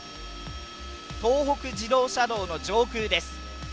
東北自動車道の上空です。